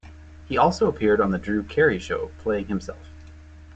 He also appeared on "The Drew Carey Show," playing himself.